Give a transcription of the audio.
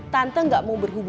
tante gak mau berhenti